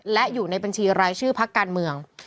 และอยู่ในบัญชีรายชื่อพักการเมือง